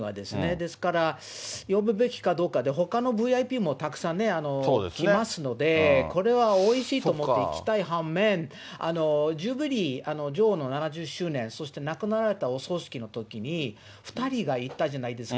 ですから呼ぶべきかどうか、で、ほかのＶＩＰもたくさん来ますので、これはおいしいと思って行きたい半面、ジュビリー、女王の７０周年、そして亡くなられたお葬式のときに、２人が行ったじゃないですか。